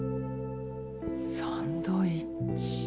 サンドイッチ。